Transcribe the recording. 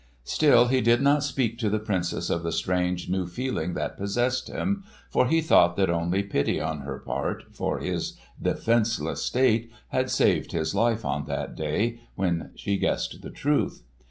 Still he did not speak to the Princess of the strange new feeling that possessed him, for he thought that only pity on her part, for his defenceless state, had saved his life on that day when she guessed the truth.